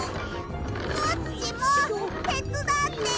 コッチもてつだってよ！